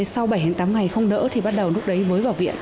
sau bảy tám ngày không nỡ thì bắt đầu lúc đấy mới vào viện